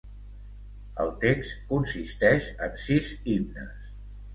El text consisteix en sis himnes.